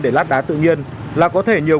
để lát đá tự nhiên là có thể nhiều